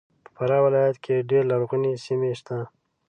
په فراه ولایت کې ډېر لرغونې سیمې سته